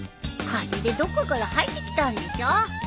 風でどっかから入ってきたんでしょ！